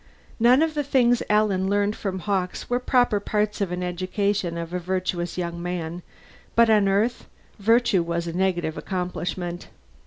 None of the things Alan learned from Hawkes were proper parts of the education of a virtuous young man but on Earth, virtue was a negative accomplishment.